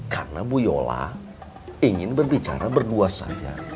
karena bu yola ingin berbicara berdua saja